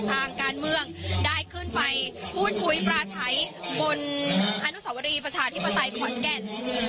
ทางการเมืองได้ขึ้นไปพูดคุยปลาไถบนอนุสวรีประชาธิปไตยขอนแก่น